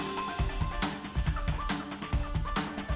terima kasih juga kita